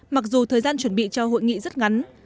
mặc dù thời gian chuẩn bị cho hội nghị rất ngắn